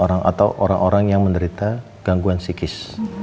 orang atau orang orang yang menderita gangguan psikis